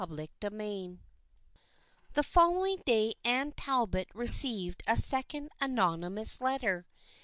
CHAPTER VII THE following day Anne Talbot received a sec ond anonymous letter.